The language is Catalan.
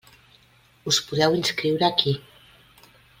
Us podeu inscriure aquí.